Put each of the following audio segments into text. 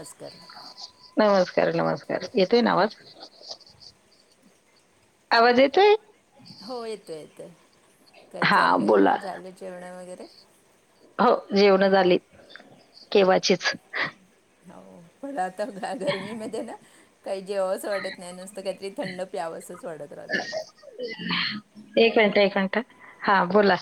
अस कर नमस्कार नमस्कार येतोय आवाज आवाज येतोय. हो येतो येतोआहेय काय हा चाललं बोला आहे झालं जेवणं वगैरे हो जेवण झाली केव्हाचीच. हो पण आता गरमी मध्ये ना काही जेव वाटत नाही नसत काहीतरी थंड प्यावसंच वाटत राहत. एक मिनिट एक मिनट हा बोला.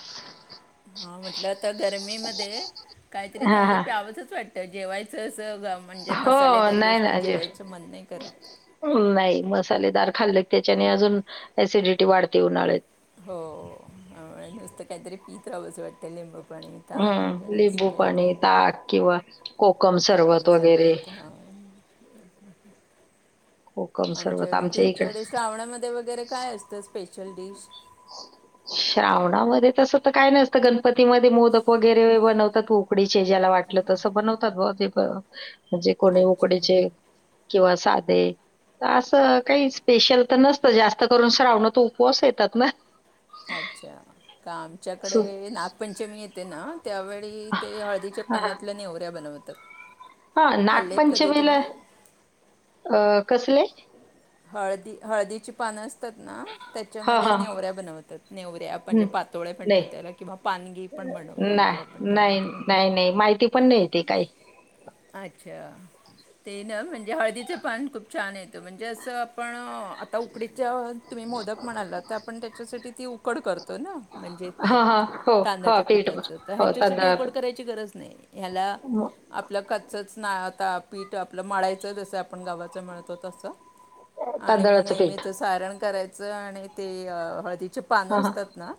हा म्हटलं आता गरमीमध्ये काहीतरी हा थंड हा प्यावचच वाटत. तर जेवायचं असं ग म्हणजे हो मसालेदार नाही गोष्टी ना जेवायचं मन नाही करत. नाही मसालेदार खाल्ले त्याच्याने अजून एसिडिटी वाढते उन्हाळ्यात. हो नुसतं काहीतरी पीत राहावंचं वाटतल लिंब हम्म लिंबूपणी, ताक किंवा कोकम सरबत वगैरे सरबत हां कोकम सरबत आमच्याकडे आमच्या इकडे तुमच्याकडे श्रावणामध्ये वगैरे काय असतं स्पेशल डिश. श्रावणामध्ये तसं तर काय नाहीसतं गणपतीमध्ये मोदक वगैरे बनवतात उकडीचे ज्याला वाटलं. तस बनवतात ब ते म्हणजे कोणी अच्छा उकडेचे किंवा साधे असं काही स्पेशल तर नसतं जास्त करून श्रावण तो उपवास येतात ना? अच्छा का सो आमच्याकडे नागपंचमी येते ना? त्यावेळी ते हळदीच्या हां, पानातल्या नेवऱ्या बनवतात हां. खाल्लेत कधी नागपंचमीला तुम्ही, अ कसले? हळदी हळदीची पान हां, त्याच्यामध्ये हां. नेवऱ्या बनवतात नेवऱ्या म्हणजे पातोळ्या म्हणतात त्याला किंवा पानगी पण म्हणू ना म्हणतो आपण त्याला नाही नाही नाही माहिती पण नाही ते काही अच्छा ते ना म्हणजे हळदीचं पान खूप छान येतं म्हणजे अस. तर आपण आता उकडीच्या तुम्ही मोदक म्हणाला तर आपण त्याच्यासाठी ती उकडी करतो ना? म्हणजे हां, पीठ हां. हो, हो. तांदळाचं पीठ पीठाचं तर हो ह्याच्यासाठी तांदळाचं उकड पीठ. करायची गरज नाही ह्याला. मग आपलं कच्च ना आता पीठ आपलं मळाायचं जसं आपण गावाचं मिळतो तसं आणि तांदळाचं पीठ. नेहमीच सारण करायचं आणि ते हळदीचे पानं हां, हां. असतात ना?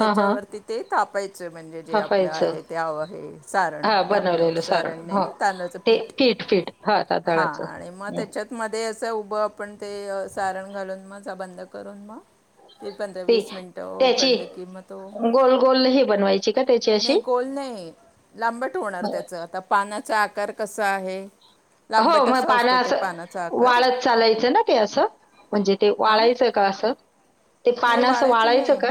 हां, हां. ते तापायचं म्हणजे जे आपलं थापायचं. आहे तेव आहे सारण. हां, आपलं बनवलेलं सारण हो. तांदळाचं ते पीठ पीठ हां, हां तांदळाचं. आणि मग हं. त्याच्यात मध्ये असं उभं आपण ते सारण घालून म बंद करून मग तेि पधरा ते वीस मिनट त्याची उकडले किंमत हो गोल गोल हे बनवायची का त्याची अशी? नाही बोल गोल नाही लांबट होणार त्याच आता पानाचा आकार कसा आहे. हो, मग लांबटसा पानं असतो ते पानाचा असं आकार वाळत चालायचं ना का असं म्हणजे ते हां वाळायचं का असं ते नाही पाण्या असं वाळायचं नाही का?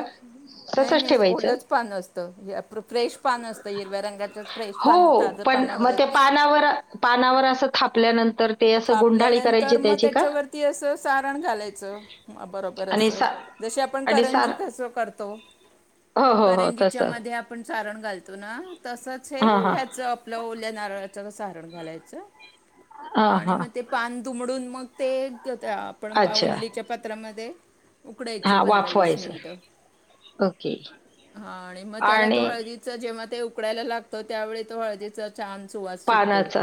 नाही तसंच नाही ठेवायचं? ओलच पान असतं फ्रेश पान असतं हिरव्या रंगाच्याच फ्रेश हो, पानतात पण मग ते पानावर पानावर अस आपल्यानंतर ते असं गुंडाळी करायचे त्याची का? ती असं सारण घालायचं ह बरोबर आणि असं सा जशी आपण आणि सार करंजी कस करतो. हो, हो, हो, करंजीच्या तसं. म आपण चारण घालतो ना तसच हां, हां. हे आपल्या ओल्या नारळाच सहारण घालायचं हां, आणि हां. मग ते. पान दुमडून मग ते आपण अच्छा. पावडलीच्या पात्रामध्ये उकडायचे हां, पंधरा वीस वाफवायचं. मिनटं ओके. हा आणि मग त्याला तो आणि हळदी. जेव्हा ते उकडायला लागतो त्यावेळी तो हळदीेचा छान सुवास सुटतो पानाचा.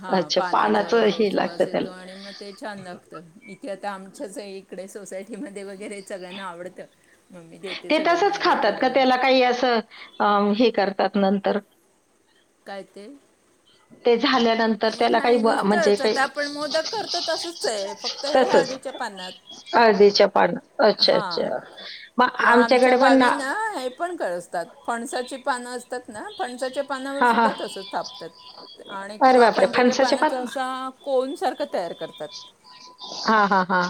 हा अच्छा पानाचा पानाचं हे लागतं सुवास येतो त्याला. आणि मग ते छान लागत इथे आता आमच्याच इकडे सोसायटी मध्ये वगैरे सगळ्यांना आवडतं. मम्मी देते ते सगळ्यांना तसच हे खातात थोडं का थोडं त्याला काही असं हे करतात नंतर? काय ते? ते झाल्या नंतर नाही त्याला काही नाही म्हणजे नुसतंच काही आता आपण मोदक करतो तसंच आहे फक्त हे तसच हळदीच्या पानात अर्धीच्या पान अच्छा अच्छा हां मग किंवा आमच्या आमच्याकडे पण गावी ना? हे फणसाची पान असतात ना फणसाच्या पानावर हां, हां. सुद्धा तस तापतात आणि अरे किंवा बापरे! पणजाच्या फणसाच्या पानाचा पान? असा कोनसारखं तयार करतात हां, हां, हां.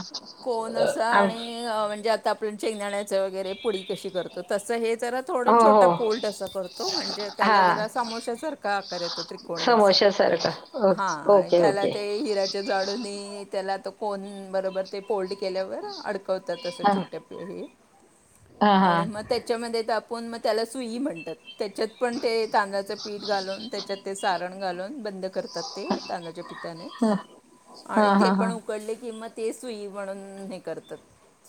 कोण आम आणि म्हणजे आता आपण शेंगदाण्याच वगैरे पुडी कशी करतो तसं हे ज थोडा हो, छोटा हो. पोल्ड असं करतो म्हणजे त्याला हां. जरा समोशासारखा आकार येतो त्रिकोणी असा सर का ओके हा आणि त्याला ओके. ते हिऱ्याच्या जाडूननी त्याला त कोण बरोबर ते फोल्ड केल्यावर अडकवतात असं हां. छोट्या पिही हां, आणि हां. मग त्या त्याच्यामध्ये तर आपण मग त्याला सुई म्हणतात त्याच्यात पण ते तांदळाच पीठ घालून त्याच्यात ते सारण घालून बंद करतात ते तांदच्या हां, पठाने हां, ते हां, पण हां. उकड कि ते सुई म्हणून हे करतात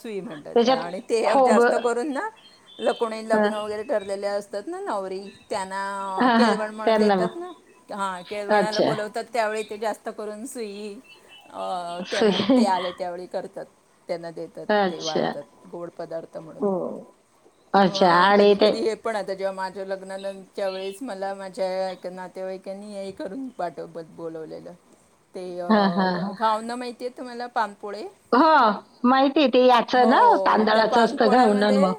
सुई म्हणतात त्या त्याच्यात आणि ते जास्त खोबरं करून ना कोणी हं. लग्न वगैरे ठरलेले अस वर त्यांना हा हा केळव म्हण त्यांना देतात मग ह केळव अच्छा त त्यावेळी ते जास्त करून सुई त्यांना सु- ते आले त्यावेळी करतात त्यांना ते ते अच्छा वाढतात गोड पदार्थ म्हणून हो अच्छा किंवा आणि कधी ते कधी पण आता जेव्हा माझ्या लग्नानं त्या वेळेस मला माझ्या नातेवाईकांनी हे करून बाटोबत बोलवलेलं ते हा हा घावना माहिती आहे तुम्हाला पानपोळे ह माहितीय ते याचं ना तांदळाच असतं घाऊण मग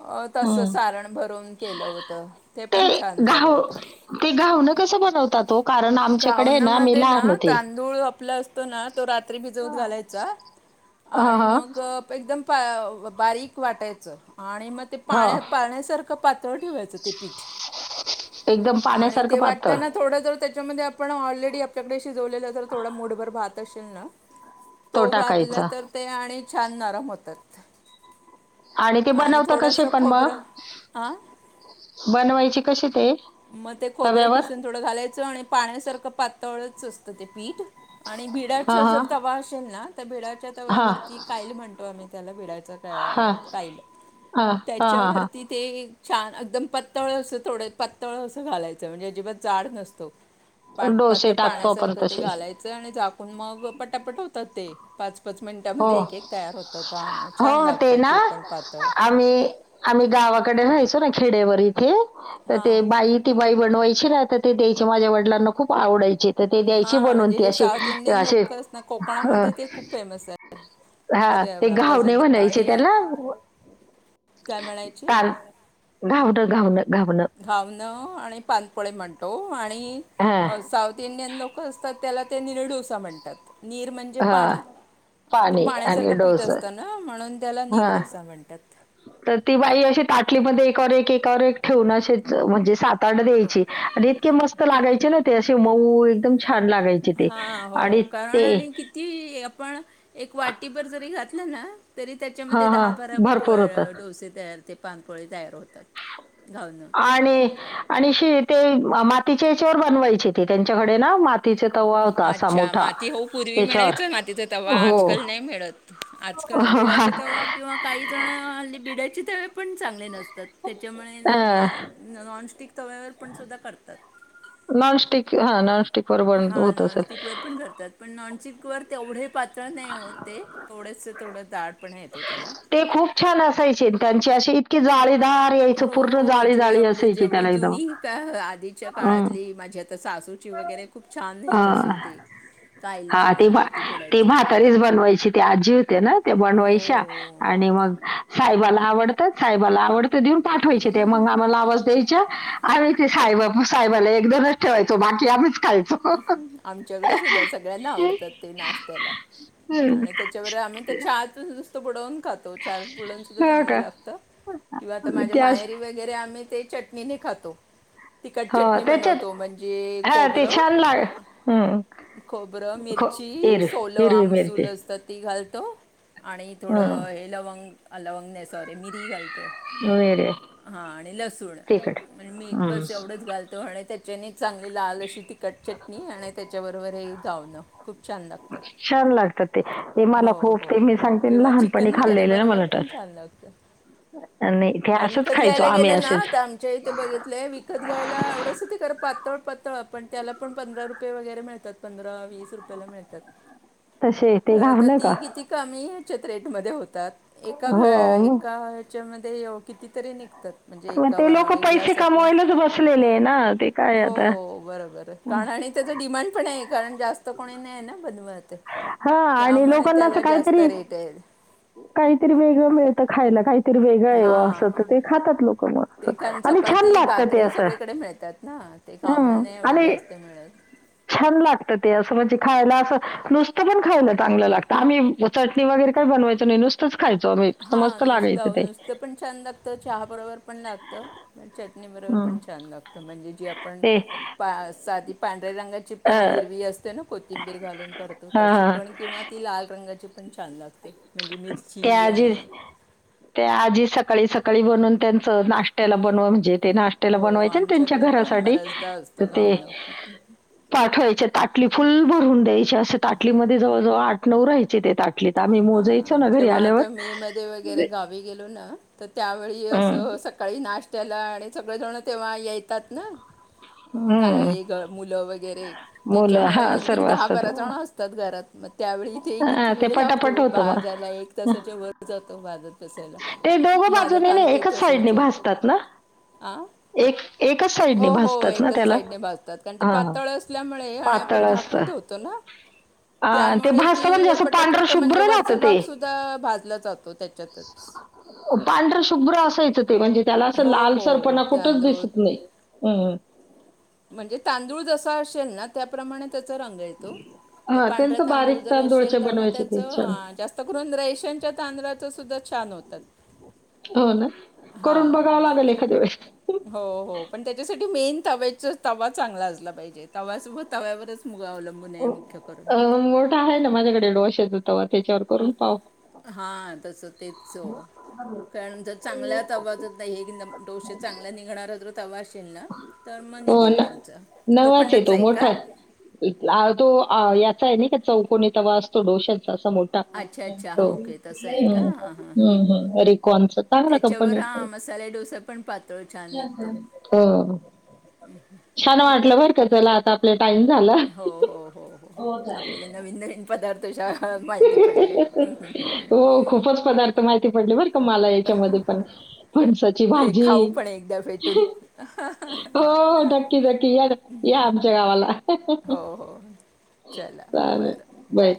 अ तस हम्म. सारण भरून केलं होतं ते पण छान झालं होतं ते घाऊण कस बनवतात तो गावनामध्ये ना तांदूळ आपला असतो ना तो रात्री भिजवत घालायचा हा आणि हा मग एकदम बारीक वाटायचं आणि मग ते हो पाण्यात पाण्यासारखं पातळ ठेवायचं ते पीठ एकदम आणि ते पाण्यासारखं पातळ वाटताना थोडं जर त्या आपण ऑलरेडी आपल्याकडे शिजवलेलं तर थोडा मुठभर भात असेल ना तो घातला तर ते आणि छान नरम होतात. आणि ते बनवत कसे थोडंसं पण मग खोबरं हां बनवायचे कसे ते मग ते खोबरं तव्यावर खिसून थोडं घालायचं आणि पाण्यासारखं पातळच असतं ते पीठ आणि हा भिडाचा हा जर तवा असेल ना तर भिडाच्या हा तव्यावरती कायल म्हणतो आम्ही त्याला भिडाचा हा हा हा हा हा त्याच्यावरती ते छान अगदम पत्तळ असं थोडं पत् अस घालायचं म्हणजे अजिबात जाड नसतो पा पात डोसे टाकतो आपण पाण्यासारखं ते तसे घालायच. आणि झाकून मग पटापट होतात ते पाच पाच हो मिनटामध्ये एक एक तयार होतात हां छान हो लागतात ना ते पण पातळ आम्ही आम्ही गावाकडे व्हायचो ना खेडेवर इथे तर ते हां बाई ती बाई बनवायची ना आता ते द्यायचे माझ्या वडलांना खूप आवडायचे. तर ते द्यायची हां बनून म्हणजे त जे असे साऊथ इंडियन असे लोक असतात ना अ कोकणामध्ये ते खूप फेमस आहेत हा ते पर घावने प्रसिद्ध म्हणायचे आणि त्याला काय म्हणायचे काल घावणं घावणं घावणं घावणं आणि पानपोळे म्हणतो आणि हा साऊथ इंडियन लोकं असतात त्याला ते निर डोसा म्हणतात नीर म्हणजे हा पाणी ते पाणी आणि पाण्यासारखं पीित डोसं असतं ना म्हणून त्याला नीर हा डोसा म्हणतात. तर ती बाई अशी ताटलीमध्ये एकावर एक एकावर एक ठेवून असच म्हणजे सात तड द्यायची आणि इतके मस्त लागायचे ना ते असे मऊ एकदम छान लागायचे. थ आणि ते ती आपण एक वाटीभर जरी घातलं ना. तरी त्याच्यामध्ये हां हां दहा बारा प भरपूर होतं डोसे तयार ते पानपोळे तयार होतात घावणं. आणि आणि श ते मातीचे चोर बनवायचे ते त्यांच्याकडे ना म अच्छा माती हो पूर्वी त्याच्यावर मिळायचं ना तिथं तवा्हा हो आजकाल नाही मिळत. आजकाल बिडाचे ते किंवा काही जण हली बिडायचे ते पण चांगले नसतात त्याच्यामुळे अं, मा नॉनस्टिक तव्यावरवर पण सुद्धा करतात. नॉनस्टिक हा नॉनस्टिक वर बण हां होत असेल. नॉनस्टिकवर पण करतात पण नॉनस्टिक वर तेवढे पातळ नाही होतते थोडस थोडं दाळ पण येतो त्याला ते खूप छान असायचे त्यांचे असशी इतकी जाळेदार हो हो जे आपले जेवढी एकदम जुनी आधीच्या अं, काळातली माझी आता सासू वगैरे खूप छान येत असशी ते हा तेी भा तेी म्हातारीच बनवायची तेी आजी होते ना ते बनवायच्या हो आणि मग साहेबाला आवडतात साहेबाला आवडत देऊन पाठवायचे ते मग आम्हाला आवाज द्याय. आम्ही ते साब साहेबाला एकदनच ठेवायचो बाकी आम्हीच खायचो. आमच्याकडे सुद्धा सगळ्यांना आवडतात ते नाश्त्याला हं, आणि त्याच्यावर आम्ही त्याच्या आत नुसत बुडवून खातो. च पुडण सुद्धा हो चांगलं का? लागतं किंवा आता माझ्या त्या माहेरी व वैरे आम्ही ते चटणीने खातो तखट हो, चटणी त्याच्यात बनवतो म्हणजे हां, ते खोबरं. छान लाग हं. खबरं खो मिरची हिर सोल हिरवी मिरची. आमसूल मत त घालतो आणि हं. थोडं हे लवंग लवंग नाही सॉरी मिरी घालतो. मिरे हा आणि लसूण तिखट. म्हणज मीठ हं. बस एवढंच घालतो आणि नी चांगली लाल अशी तिखट चटणी आणि त्याच्याबरोबर हे धावणं. खूप छान लागतात छान लागतात ते. ते मला हो खूप हो ते मी सांगते ना किंवा लहानपणी चिकन वगैरे खाल्लेले ना बरोबर पण मलाटच छान लागत. होक. आणि ते बा असंच विकत खायचो घ्यायला आम्ही गेलं ना असेच. आ आमच्या इथे बघितलंय विकत घ्यायला एवढ. करपातो. पळ पण त्याला पण पंधरा रुपये वगैरे मिळतात पंधरा वीस रुपयाेला मिळतात. तसे ते खरं घाव तर नाही ती का? किती? मी चत्रेटमध्ये होतात एका घ हो मग. एका त्याच्यामध्ये ये कितीतरी निघतात. म्हणजे ए मग ते लोक एक पैसे ग्लास आपण कमवायलाच बसलेले आहे ना ते काय हो आता. बरोबर. कारण आणि त्याच डिमांड पण आहे कारण जास्त कोणी नाही आहे ना बनवत. हां आणि त्यामुळे लोकांना असं त्याला जास्त काहीतरी रेट आहे. काहीतरी वेगळं मिळतं खायला काहीतरी वेगळं आहेव असं तर हां ते खातात लोक मग. ते असं. कारण आणि छान चपाती लागतं ते भाकरी असं. सगळीकडे मिळतात ना ते खाऊनं हं. नाही एवढी आणि जास्त मिळत. छान लागत ते असं म्हणजे खायला असं. नुसत पण खायला चांगलं लागतं आम्ही चटणी वगैरे काही बनवायचो नाही नुसत. तोच खायचं आम्ही. हा मस्त लागायचं नुसतं ते. नुसतं पण छान लागतं चहा बरोबर पण लागत. चटणी बरोबर हं. पण छान लागत म्हणजे जी आपण ते पा साध. पांढर्या रंगाची अ, पण हिरवी असते ना कोथिंबीर घालून करतो तशी हां. पण किंवा. ती लाल रंगाची पण छान लागते. म्हणजे त्या मिरची आजी. आणि ते आजी सकाळी सकाळी बनून त्यांच नाश्त्याला बनवा म्हणजे. ते नाश्त्याला हो बनवायचे आणि त्यांच्या आमच्याकडे पण घरासाठी बऱ्याचदा तर असतं ते. गाणं पाठवायच्या ताटली फुल भरून द्यायची असे ताटलीमध्ये जवळजवळ आठ नऊ राहायचे ते ताट. आम्ही मोजाचो. हां जेव्हा आता मे मध्ये वगैरे गावी गेलो ना तर त्यावेळी हं. असं सकाळी नाश्ता. त्याला आणि सगळे जण तेव्हा येतात ना. हं. नाही हे दहा मुलं वगैरे मुलं त्याच्यामुळे हां, अगदी सर्व दहा असतात. बारा जण असतात घरात म. त्यावेळी इथे हां, किती ते वेळ पटापट लागतो होतं मग. बाजारला एक तासाच्या वर जातो बाजार तासायला.... ते दोघं माझं बाजूने नाही काांतेत एकाच साईडने असायचं भासतात ना आ. री एक एकाच साईडने हो हो भासतात ना एकच त्याला साईडने भाजतात कारण ते हा हा. पातळ असल्यामुळे आणि आपण झाकून ठेवतो. तो ना.... अ ते त्यामुळे भस्त म्हणजे ती असं पांढर. पटापट म्हणजे वरचा भाग सुद्धा भाजला जातो त्याच्यातच. पांढर शुभ्र असायचं ते म्हणजे त्याला असं हो लाल हो सरपणा कुठंच तांदूळ दिसत नाही. हम्म म्हणजे तांदूळ जसा असेल ना त्याप्रमाणे. त्या रंग येत तर हा पांढर त्यांचं तांदूळ बारीक जर तांदूळचे असेल तर मग त्या बनवायचे ते छान जा. करून रेशनच्या तांदळाच सुद्धा छान होतात. हो ना करून बघावं लागेल हां एखादी वेस. हो हो पण त्याच्यासाठी मेन तवे. तवा चांगला असला पाहिजे तव्यासोबत तव्यावरच मुगा अवलंब. मोठा आहे ना माझ्याकडे डोशेत होतवा त्याच्यावर करून पाव.... हा तसच. तेच हो कारण जर चांगल्यात आवाजत नाही हे की डोसे चांगल्या निघणार तर. तवाशिंना तर मग हो निघेल ना. तुमचं नवाच लोखंडचं तो आहे का? मोठा तो याचा आहे नाही का चौकणी तवा असतो डोश्याचा अस मो. अच्छा अच्छा हां ओके तसं आहे हम्म का हां हां हां हम्म हम्म अरेिकॉन च चांगला त्याच्यावर कंपनी हां मसाले डोसा पण पातळ छान निघतो. न्ह... हो छान वाटलं बर का चला आता आपलं टाईम झाला. हो हो हो हो आपल्याला नवीन नवीन पदार्थशा. हा माहिती पडले. हो खूपच पदार्थ माहिती पडले बर. मला याच्यामध्ये पण फणसाची भे खाऊ भाजी. पण एकदा भेटून हो हो नक्की नक्की या या आमच्या गावाला. हो हो चला बरं बाय.